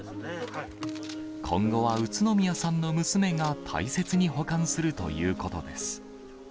今後は宇都宮さんの娘が大切に保管するということです。